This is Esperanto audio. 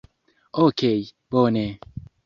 Okej, bone.